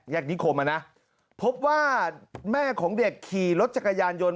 นิคมอ่ะนะพบว่าแม่ของเด็กขี่รถจักรยานยนต